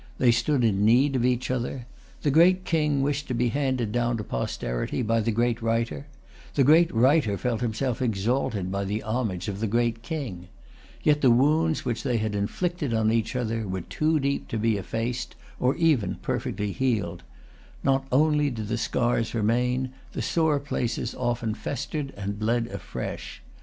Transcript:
They stood[Pg 310] in need of each other. The great King wished to be handed down to posterity by the great Writer. The great Writer felt himself exalted by the homage of the great King. Yet the wounds which they had inflicted on each other were too deep to be effaced, or even perfectly healed. Not only did the scars remain; the sore places often festered and bled afresh.